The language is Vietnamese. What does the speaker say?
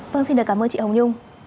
vâng xin cảm ơn chị